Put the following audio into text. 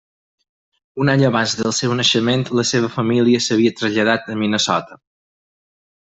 Un any abans del seu naixement, la seva família s'havia traslladat de Minnesota.